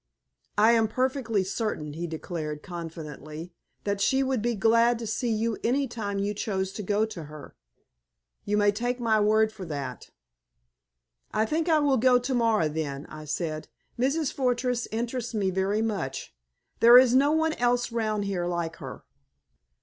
"I am perfectly certain," he declared, confidently, "that she would be glad to see you any time you chose to go to her. You may take my word for that." "I think I will go to morrow, then," I said. "Mrs. Fortress interests me very much. There is no one else round here like her."